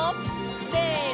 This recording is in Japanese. せの！